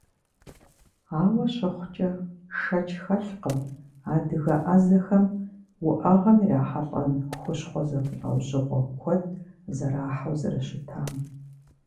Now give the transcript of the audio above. Ауэ щыхъукӏэ, шэч хэлъкъым адыгэ ӏэзэхэм уӏэгъэм ирахьэлӏэн хущхъуэ зэмылӏэужьыгъуэ куэд зэрахьэу зэрыщытам.